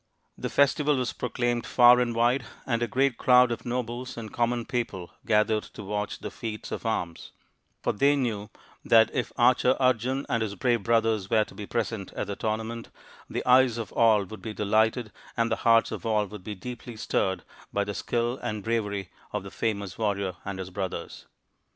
The festival was proclaimed far and wide, and a great crowd of nobles and common people gathered to watch the feats of arms ; for they knew that if the archer Arjun and his brave brothers were to be present at the tournament, the eyes of all would be delighted, and the hearts of all would be deeply stirred by the skill and bravery of the famous warrior and his brothers.